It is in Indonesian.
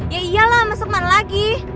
ya iyalah masuk man lagi